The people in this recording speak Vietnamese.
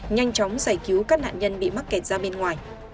nhanh chóng giải cứu các nạn nhân bị mắc kẹt ra bên ngoài